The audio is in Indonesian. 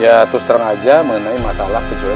ya tustaran aja mengenai masalah wajibnya